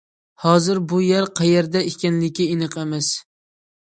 ھازىر بۇ يەر قەيەردە ئىكەنلىكى ئېنىق ئەمەس.